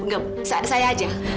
gak saya aja